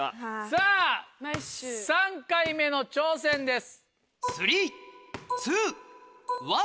さぁ３回目の挑戦です。